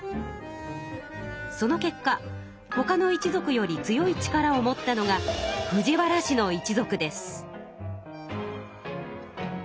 その結果ほかの一族より強い力を持ったのが藤原氏の一族です。